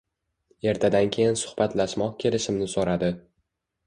Ertadan keyin suhbatlashmoq kelishimni so’radi.